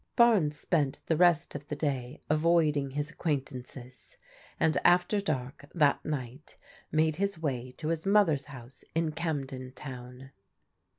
Barnes spent the rest of the day avoiding his acquaint ances and after dark, that night, made his way to his mother's house in Camden Town.